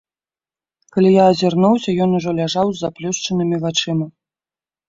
Калі я азірнуўся, ён ужо ляжаў з заплюшчанымі вачыма.